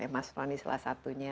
mas roni salah satunya